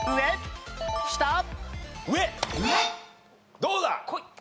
どうだ？